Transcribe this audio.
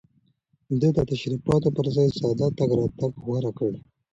ده د تشريفاتو پر ځای ساده تګ راتګ غوره کړ.